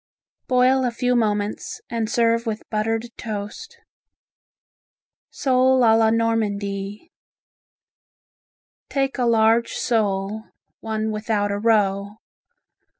Boil a few moments and serve with buttered toast. Sole a la Normandie Take a large sole (one without a roe).